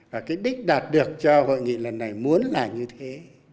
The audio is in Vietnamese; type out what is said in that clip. và cái đích đạt được cho hội nghị lần này muốn là như thế